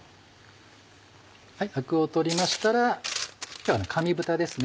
アクを取りましたら今日は紙ぶたですね